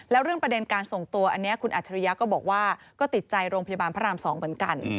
แล้วเรื่องประเด็นการส่งตัวอันนี้คุณอัจฉริยะก็บอกว่าก็ติดใจโรงพยาบาลพระราม๒เหมือนกัน